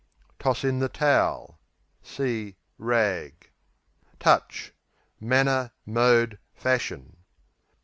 Toss in the towel See "rag." Touch Manner; mode; fashion.